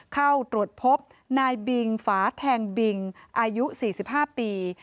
เข้าตรวจพบนายบิงฝาแทงบิงอายุ๔๕ปี